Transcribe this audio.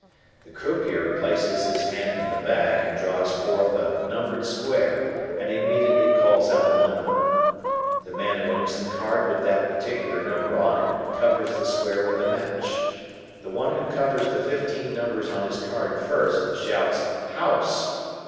The croupier places his hand in the bag and draws forth a numbered square and immediately calls out the number. The man who owns the card with that particular number on it, covers the square with a match. The one who covers the fifteen numbers on his card first shouts "House."